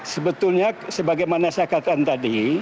sebetulnya sebagaimana saya katakan tadi